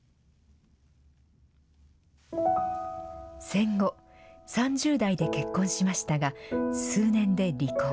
戦後、３０代で結婚しましたが、数年で離婚。